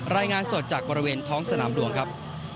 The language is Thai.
รายงานสดจากบริเวณท้องสนามหลวงครับ